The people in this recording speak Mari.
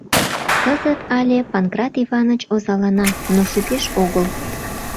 Кызыт але Панкрат Иваныч озалана, но шукеш огыл.